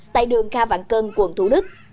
tại đường kha vạn cơn quận thủ đức